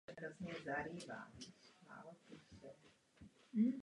Podobný název je i v jiných slovanských jazycích.